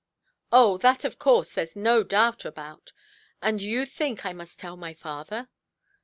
"Oh, that of course thereʼs no doubt about. And you think I must tell my father"?